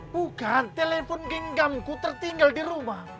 bukan telepon genggamku tertinggal di rumah